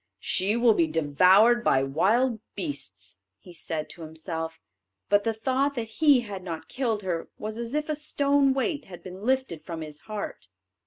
"She will be devoured by wild beasts," he said to himself. But the thought that he had not killed her was as if a stone weight had been lifted from his heart.